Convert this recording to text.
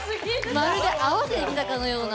まるで合わせてきたかのような。